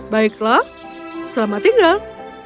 baiklah selamat tinggal